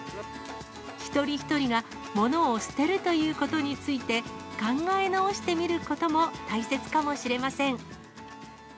一人一人が物を捨てるということについて、考え直してみることも大切かもしれません。